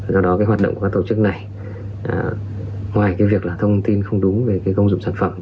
do đó hoạt động của các tổ chức này ngoài việc thông tin không đúng về công dụng sản phẩm